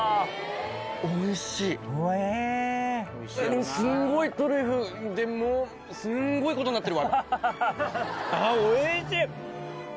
もうすっごいトリュフ！でもうすんごいことなってるわ。